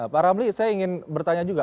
pak ramli saya ingin bertanya juga